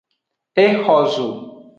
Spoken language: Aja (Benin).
E xo zo.